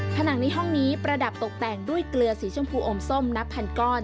ผนังในห้องนี้ประดับตกแต่งด้วยเกลือสีชมพูอมส้มนับพันก้อน